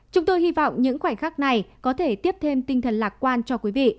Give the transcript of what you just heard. chúng tôi hy vọng những khoảnh khắc này có thể tiếp thêm tinh thần lạc quan cho quý vị